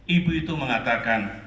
ibu itu mengatakan